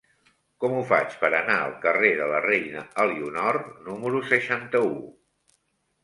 Com ho faig per anar al carrer de la Reina Elionor número seixanta-u?